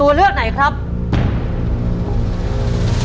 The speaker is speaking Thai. ขอเชิญแม่จำรูนขึ้นมาต่อชีวิต